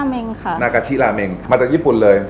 มาจากญี่ปุ่นเลย